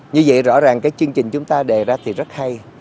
như vậy rõ ràng cái chương trình chúng ta đề ra thì rất hay